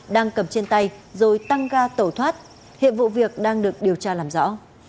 đang cầm trên tay rồi tăng ga tẩu thoát hiệp vụ việc đang được điều tra làm rõ